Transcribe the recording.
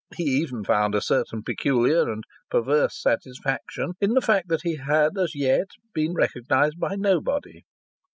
He even found a certain peculiar and perverse satisfaction in the fact that he had as yet been recognized by nobody.